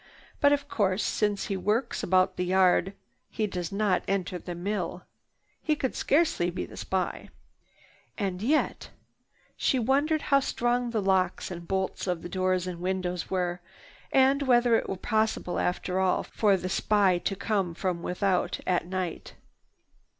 "But of course, since he works about the yard he does not enter the mill. He could scarcely be the spy. And yet—" she wondered how strong the locks and bolts of doors and windows were and whether it were possible, after all, for the spy to come from without, at night.